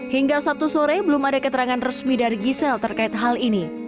hingga sabtu sore belum ada keterangan resmi dari gisela terkait hal ini